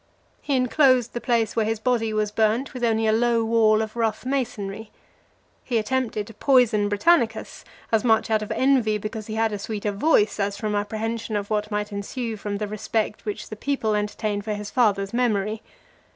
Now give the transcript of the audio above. He enclosed the place where his body was burnt with only a low wall of rough masonry. He attempted to poison (362) Britannicus, as much out of envy because he had a sweeter voice, as from apprehension of what might ensue from the respect which the people entertained for his father's memory.